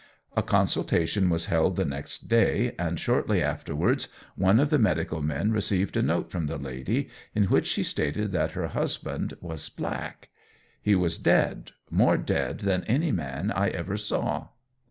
A consultation was held the next day, and shortly afterwards one of the medical men received a note from the lady, in which she stated, that her husband "was black. He was dead, more dead than any man I ever saw."